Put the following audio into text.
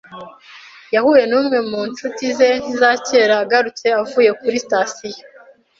Yahuye n'umwe mu nshuti ze za kera agarutse avuye kuri sitasiyo.